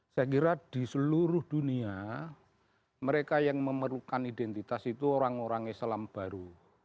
saya kira di seluruh dunia mereka yang memerlukan identitas itu orang orang islam baru